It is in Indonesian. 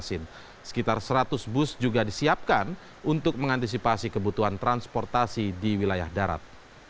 sekitar seratus bus juga disiapkan untuk mengantisipasi kebutuhan transportasi di wilayah darat